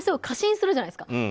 過信するじゃないですか。